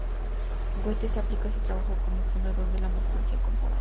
Goethe se aplica a su trabajo como co-fundador de la morfología comparada.